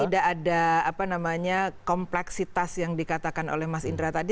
tidak ada kompleksitas yang dikatakan oleh mas indra tadi